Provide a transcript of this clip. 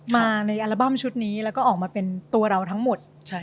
มาในอัลบั้มชุดนี้แล้วก็ออกมาเป็นตัวเราทั้งหมด